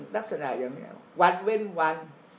ลักษณะยังเป็นวันเวนวัน